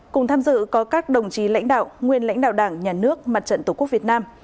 cùng tham dự có các đồng chí lãnh đạo nguyên lãnh đạo đảng nhà nước mặt trận tổ quốc việt nam